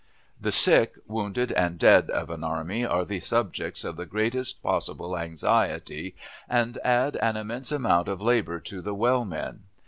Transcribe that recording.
The sick, wounded, and dead of an army are the subjects of the greatest possible anxiety, and add an immense amount of labor to the well men.